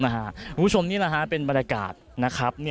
คุณผู้ชมนี่แหละฮะเป็นบรรยากาศนะครับ